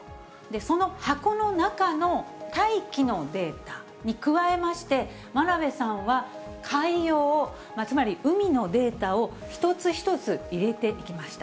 その箱の中の大気のデータに加えまして、真鍋さんは海洋、つまり海のデータを一つ一つ入れていきました。